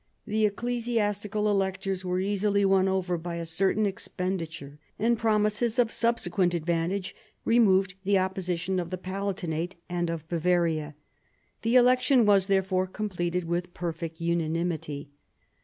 The ecclesiastical electors were easily won over by a certain expenditure ; and promises of subse quent advantage removed the opposition of the Palatinate and of Bavaria. The election was, therefore, completed with perfect unanimity.